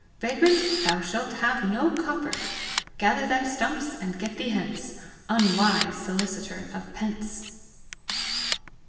Vagrant, thou shalt have no copper! Gather thy stumps, and get thee hence, Unwise solicitor of pence!